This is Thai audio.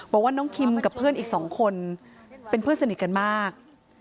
บอกว่าน้องคิมกับเพื่อนอีกสองคนเป็นเพื่อนสนิทกันมาก